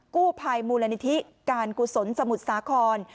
กู้ไพยมูลณิธิการครูสนสมุทรสาหคร